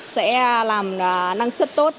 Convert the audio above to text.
sẽ làm năng suất tốt